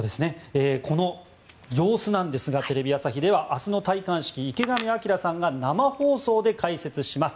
この様子なんですがテレビ朝日では明日の戴冠式、池上彰さんが生放送で解説します。